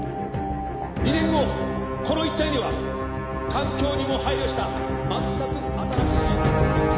「２年後この一帯には環境にも配慮した全く新しい形の工業団地